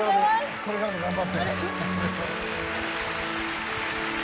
これからも頑張ってね。